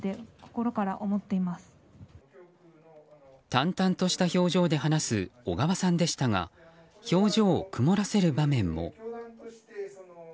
淡々とした表情で話す小川さんでしたが表情を曇らせる場面も。